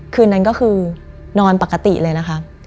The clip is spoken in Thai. คืนนั้นก็คือนอนปกติเลยนะคะ